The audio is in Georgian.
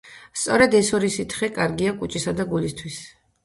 სწორედ ეს ორი სითხე კარგია კუჭისა და გულისთვის.